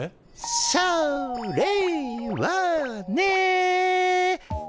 それはね。